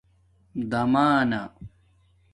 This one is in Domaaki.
دَمانہ